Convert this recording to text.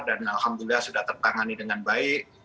dan alhamdulillah sudah tertangani dengan baik